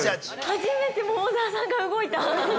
◆初めて桃沢さんが動いた。